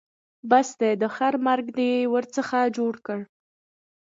بس دی؛ د خره مرګ دې ورڅخه جوړ کړ.